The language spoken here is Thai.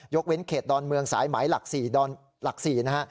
ยกเว้นเขตดอนเมืองสายไหมหลัก๔นะฮะ